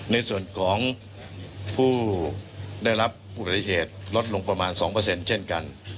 ในส่วนของผู้ได้รับอุบัติเหตุลดลงประมาณ๒เช่นกัน